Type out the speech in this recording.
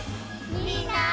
みんな。